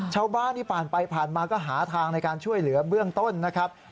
ชาวบ้านที่ผ่านไปผ่านมาก็หาทางในการช่วยเหลือเบื้องต้นนะครับ